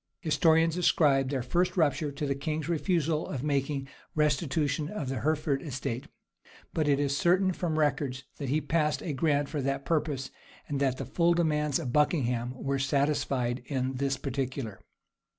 Historians ascribe their first rupture to the king's refusal of making restitution of the Hereford estate; but it is certain from records, that he passed a grant for that purpose, and that the full demands of Buckingham were satisfied in this particular.